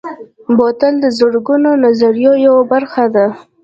بوتل د زرغونو نظریو یوه برخه ده.